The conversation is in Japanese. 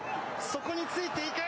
そこについていく。